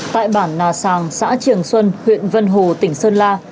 tại bản nà sàng xã triềng xuân huyện vân hồ tỉnh sơn la